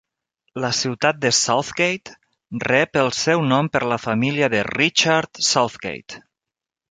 La ciutat de Southgate rep el seu nom per la família de Richard Southgate.